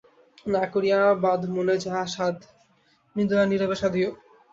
না করিয়া বাদ মনে যাহা সাধ নিদয়া নীরবে সাধিয়ো।